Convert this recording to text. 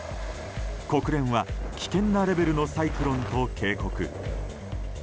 国連は危険なレベルのサイクロンと警告。